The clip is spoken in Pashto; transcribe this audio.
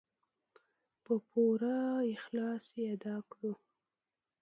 په پوره اخلاص یې ادا کړو.